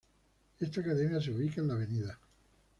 Esta academia se ubicaba en la Av.